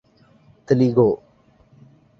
Telugu